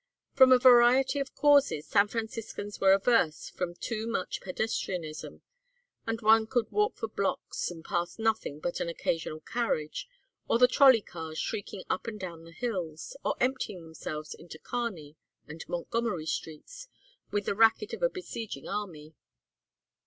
From a variety of causes San Franciscans were averse from too much pedestrianism, and one could walk for blocks and pass nothing but an occasional carriage, or the trolley cars shrieking up and down the hills, or emptying themselves into Kearney and Montgomery streets with the racket of a besieging army.